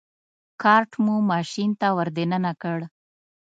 کارټ مې ماشین ته ور دننه کړ.